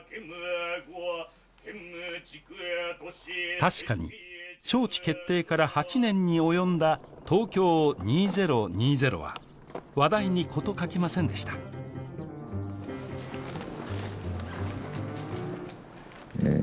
確かに招致決定から８年に及んだ東京２０２０は話題に事欠きませんでしたえー